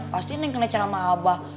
pasti neng kena acara sama abah